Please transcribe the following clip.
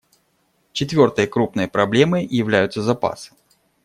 Четвертой крупной проблемой являются запасы.